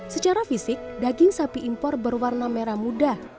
secara fisik daging sapi impor berwarna merah muda